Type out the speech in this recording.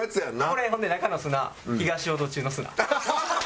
これほんで中の砂東淀中の砂。